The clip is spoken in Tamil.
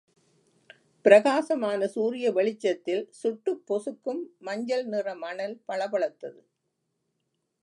பிரகாசமான சூரிய வெளிச்சத்தில், சுட்டுப் பொசுக்கும் மஞ்சள் நிற மணல் பளபளத்தது.